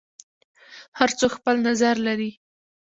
هر څوک خپل نظر لري.